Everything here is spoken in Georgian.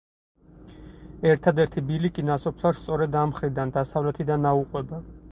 ერთადერთი ბილიკი ნასოფლარს სწორედ ამ მხრიდან, დასავლეთიდან აუყვება.